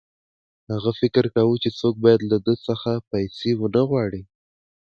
هغه فکر کاوه چې څوک باید له ده څخه پیسې ونه غواړي